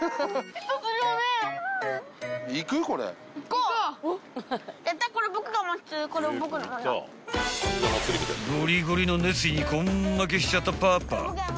［ゴリゴリの熱意に根負けしちゃったパパ］